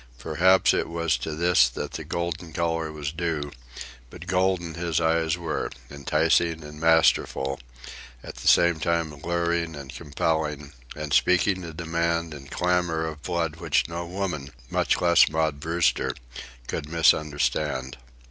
Perhaps it was to this that the golden colour was due; but golden his eyes were, enticing and masterful, at the same time luring and compelling, and speaking a demand and clamour of the blood which no woman, much less Maud Brewster, could misunderstand.